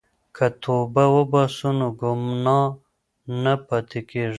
که توبه وباسو نو ګناه نه پاتې کیږي.